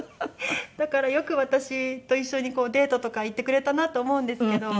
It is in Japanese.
だからよく私と一緒にデートとか行ってくれたなって思うんですけど。